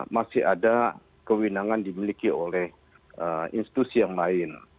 masih ada kewenangan dimiliki oleh institusi yang lain